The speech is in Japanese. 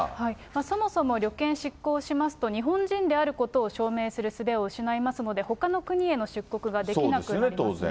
そもそも旅券失効しますと、日本人であることを証明するすべを失いますので、ほかの国への出国ができなくなりますね。